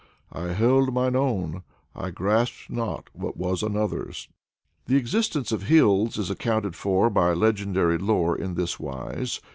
"I held mine own, I grasped not at what was another's." The existence of hills is accounted for by legendary lore in this wise.